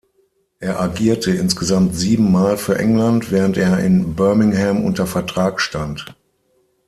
Er agierte insgesamt sieben Mal für England, während er in Birmingham unter Vertrag stand.